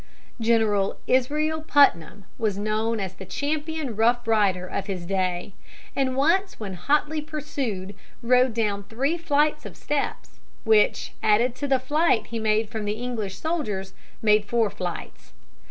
] General Israel Putnam was known as the champion rough rider of his day, and once when hotly pursued rode down three flights of steps, which, added to the flight he made from the English soldiers, made four flights.